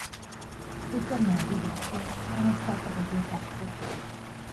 Il torneo di doppio non è stato completato.